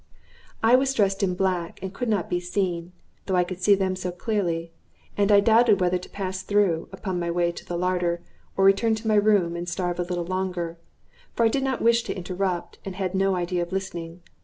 I was dressed in black, and could not be seen, though I could see them so clearly; and I doubted whether to pass through, upon my way to the larder, or return to my room and starve a little longer; for I did not wish to interrupt, and had no idea of listening.